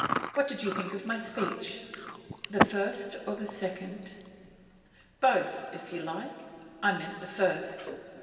What did you think of my speech?' 'The first one or the second?' 'Both, if you like. I meant the first.